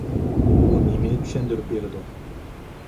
بۇ نېمىنى چۈشەندۈرۈپ بېرىدۇ؟